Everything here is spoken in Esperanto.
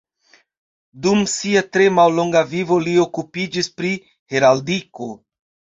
Dum sia tre mallonga vivo li okupiĝis pri heraldiko.